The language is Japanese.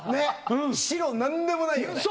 白、何でもないよね。